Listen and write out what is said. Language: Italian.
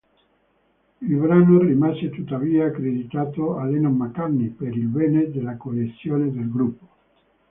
Il brano rimase tuttavia accreditato a Lennon-McCartney per il bene della coesione del gruppo.